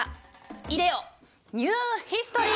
いでよニューヒストリー！